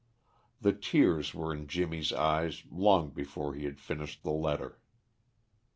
The tears were in Jimmy's eyes long before he had finished the letter.